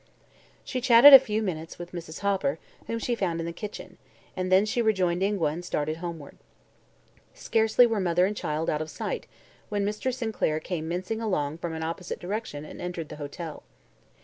She chatted a few minutes with Mrs. Hopper, whom she found in the kitchen, and then she rejoined Ingua and started homeward. Scarcely were mother and child out of sight when Mr. Sinclair came mincing along from an opposite direction and entered the hotel.